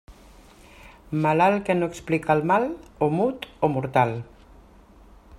Malalt que no explica el mal, o mut o mortal.